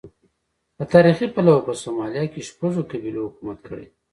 له تاریخي پلوه په سومالیا کې شپږو قبیلو حکومت کړی دی.